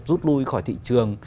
rút lui khỏi thị trường